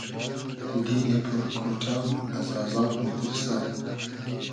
دیلی پور کۉݖۆ از آزاب میتیرسۂ